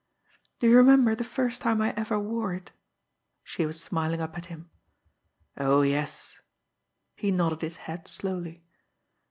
"Do you remember the first time I ever wore it?" She was smiling up at him. "Oh, yes!" he nodded his head slowly.